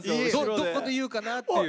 どこで言うかなっていう。